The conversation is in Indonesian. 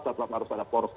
tetap harus ada poros